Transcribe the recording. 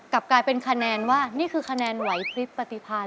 กลับกลายเป็นคะแนนว่านี่คือคะแนนไหวพลิบปฏิพันธ์